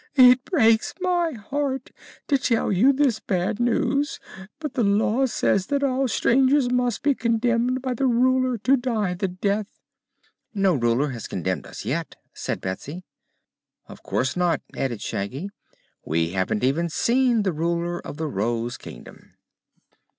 "It breaks my heart to tell you this bad news, but the Law says that all strangers must be condemned by the Ruler to die the death." "No Ruler has condemned us yet," said Betsy. "Of course not," added Shaggy. "We haven't even seen the Ruler of the Rose Kingdom."